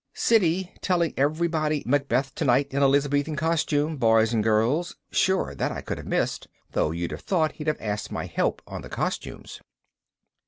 Siddy telling everybody, "Macbeth tonight in Elizabethan costume, boys and girls," sure, that I could have missed though you'd have thought he'd have asked my help on the costumes.